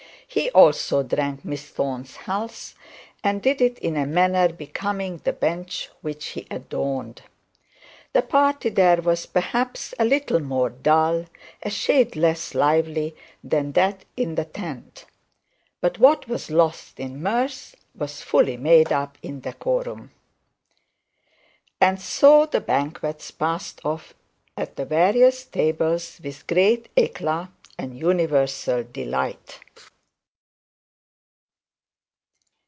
He also drank Miss Thorne's health, and did it in a manner becoming the bench which he adorned. The party there, was perhaps a little more dull, a shade less lively than that in the tent. But what was lost in mirth, was fully made up in decorum. And so the banquet passed off at the various tables with great eclat and universal delight.